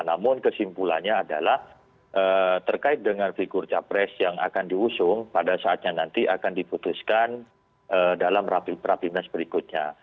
namun kesimpulannya adalah terkait dengan figur capres yang akan diusung pada saatnya nanti akan diputuskan dalam rapimnas berikutnya